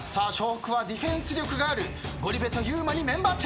北はディフェンス力があるゴリ部とゆうまにメンバーチェンジ。